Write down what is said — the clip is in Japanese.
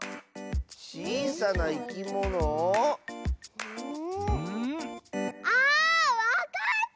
ちいさないきもの？あわかった！